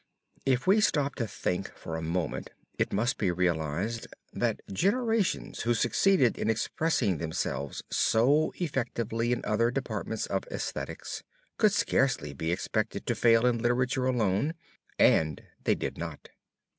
If we stop to think for a moment it must be realized, that generations who succeeded in expressing themselves so effectively in other departments of esthetics could scarcely be expected to fail in literature alone, and they did not.